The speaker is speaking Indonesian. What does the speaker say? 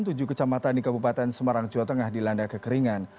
tujuh kecamatan di kabupaten semarang jawa tengah dilanda kekeringan